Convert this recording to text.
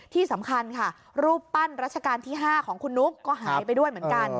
ที่สำคัญค่ะรูปปั้นรัชกาลที่๕ของคุณนุ๊กก็หายไปด้วยเหมือนกัน